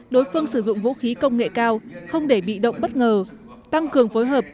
đối phương sử dụng vũ khí công nghệ cao không để bị động bất ngờ tăng cường phối hợp